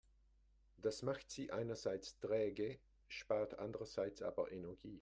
Das macht sie einerseits träge, spart andererseits aber Energie.